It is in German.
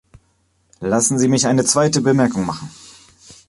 Lassen Sie mich eine zweite Bemerkung machen.